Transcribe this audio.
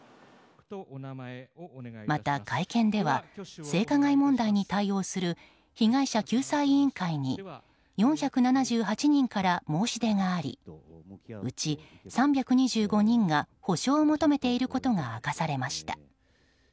また、会見では性加害問題に対応する被害者救済委員会に４７８人から申し出がありうち３２５人が補償を求めていることが明かされました。